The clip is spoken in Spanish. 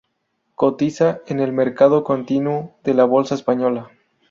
Cotiza en el mercado continuo de la bolsa española.